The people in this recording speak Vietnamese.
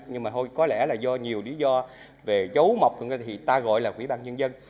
nhưng mà có lẽ là do nhiều lý do về dấu mọc thì ta gọi là quỹ ban nhân dân